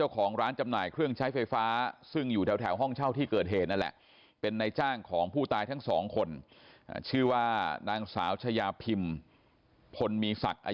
ผลมีศักดิ์อายุ๔๐ปี